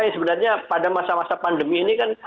sebenarnya pada masa masa pandemi ini kan